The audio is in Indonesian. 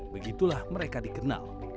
begitulah mereka dikenal